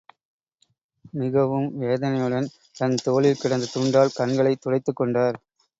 மிகவும் வேதனையுடன், தன் தோளில் கிடந்த துண்டால் கண்களைத் துடைத்துக் கொண்டார்.